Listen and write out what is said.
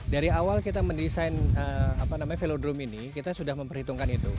dari awal kita mendesain velodrome ini kita sudah memperhitungkan itu